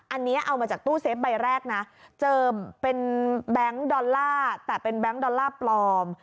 อันนี้เอามาจากตู้เซฟใบแรกนะเจิมเป็นแบงค์ดอลลาร์แต่เป็นแบงค์ดอลลาร์ปลอม